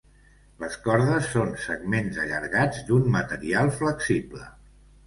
Les cordes són segments allargats d'un material flexible.